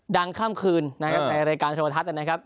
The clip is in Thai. ดังข้ามคืนในรายการโชว์ทัศน์นะครับ